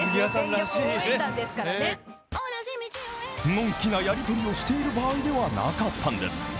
のんきなやり取りをしている場合ではなかったんです。